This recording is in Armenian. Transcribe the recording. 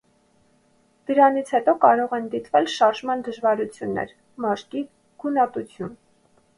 Դրանից հետո կարող են դիտվել շարժման դժվարություններ, մաշկի գունատություն։